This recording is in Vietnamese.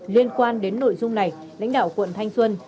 liên quan đến nội dung này lãnh đạo quận thanh xuân